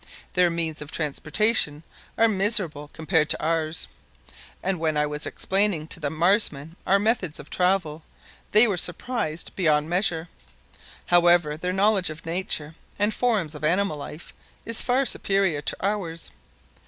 Their means of transportation are miserable compared with ours, and when I was explaining to the Marsmen our methods of travel they were surprised beyond measure. However their knowledge of nature and forms of animal life is far superior to ours.